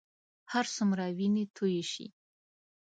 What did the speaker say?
هرڅومره وینې تویې شي.